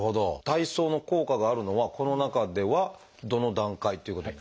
体操の効果があるのはこの中ではどの段階ということに？